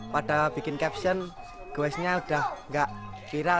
pada bikin caption gueznya sudah tidak viral